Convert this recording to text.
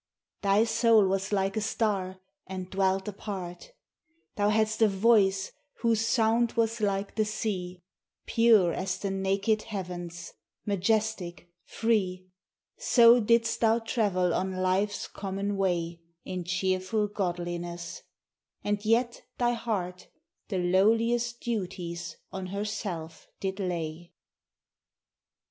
Thy soul was like a Star, and dwelt apart : Thou hadst a voice whose sound was like the sea : Pure as the naked heavens, majestic, free, So didst thou travel on life's common way, In cheerful godliness ; and yet thy heart The lowliest duties on herself did lay.